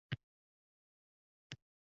Ko‘zlari bir chiziqday ensiz tirqishga aylandi.